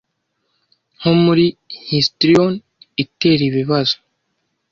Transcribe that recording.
nko muri histrion itera ibibazo